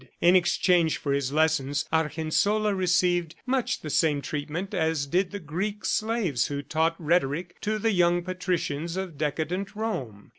In exchange for his lessons, Argensola received, much the same treatment as did the Greek slaves who taught rhetoric to the young patricians of decadent Rome.